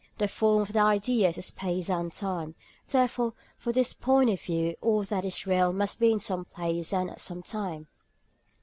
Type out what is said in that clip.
The form of the idea is space and time, therefore for this point of view all that is real must be in some place and at some time.